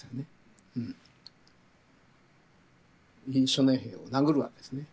初年兵を殴るわけですね。